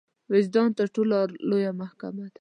وجدان تر ټولو لويه محکمه ده.